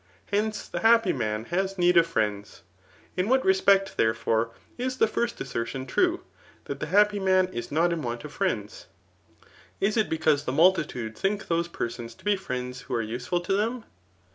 Hence, the happy man has need of friends. In what respect, therefore, is the first assertion true [[that the happy man is not in want of friends?] Is it because the multitude think those persons to be friends who are useful to them?